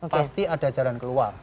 pasti ada jalan keluar